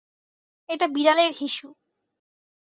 এটা বিড়ালের হিসু।